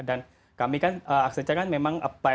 dan kami kan accenture kan memang